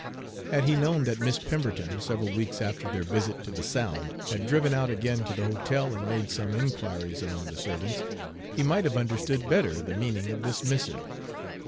Had he known that Miss Pemberton, several weeks after their visit to the Sound, had driven out again to the hotel and made some inquiries among the servants, he might have understood better the meaning of this missive.